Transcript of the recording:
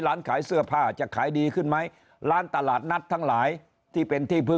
ร้านขายเสื้อผ้าจะขายดีขึ้นไหม